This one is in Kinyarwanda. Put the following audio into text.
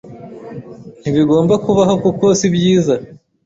ntibigomba kubaho kuko si byiza